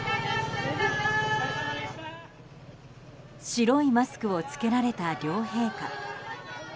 白いマスクを着けられた両陛下。